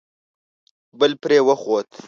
بل پرې وخوت.